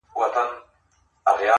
• خود نو په دغه يو سـفر كي جادو.